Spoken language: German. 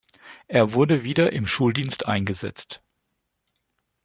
Er wurde wieder im Schuldienst eingesetzt.